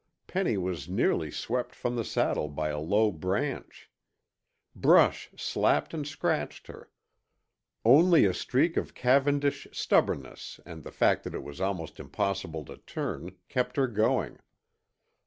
Penny was nearly swept from the saddle by a low branch. Brush slapped and scratched her. Only a streak of Cavendish stubbornness, and the fact that it was almost impossible to turn, kept her going.